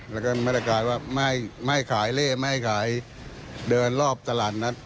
แล้วก็มาตรการว่าไม่ขายเล่ไม่ให้ขายเดินรอบตลาดนัด